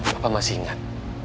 papa masih ingat